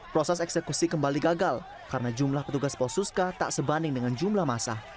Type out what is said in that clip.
proses eksekusi kembali gagal karena jumlah petugas posuska tak sebanding dengan jumlah masa